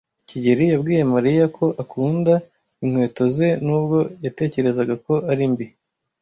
kigeli yabwiye Mariya ko akunda inkweto ze nubwo yatekerezaga ko ari mbi.